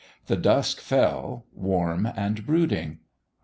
The dusk fell warm and brooding.